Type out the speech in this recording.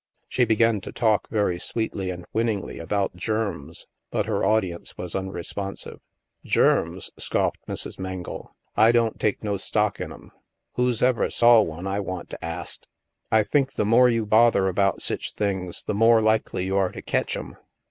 She began to talk, very sweetly and winningly, about germs. But her audience was unresponsive. " Germs ?" scoffed Mrs. Mengle, " I don't take no stock in 'em. Who's ever saw one, I want to ast ? I think the more you bother about sech things, the more likely you are to ketch 'em.